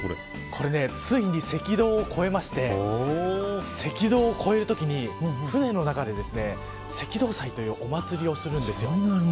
これ、ついに赤道を越えまして赤道を越えるときに船の中で赤道祭というお祭りをするんですよ。